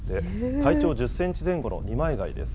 体長１０センチ前後の二枚貝です。